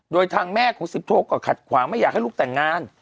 โดยทางแม่ของสิบโทก็ขัดขวางไม่อยากให้ลูกแต่งงาน